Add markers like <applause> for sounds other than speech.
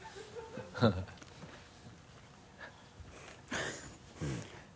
ハハハ <laughs>